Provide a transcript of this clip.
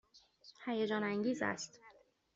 هیجان انگیز است.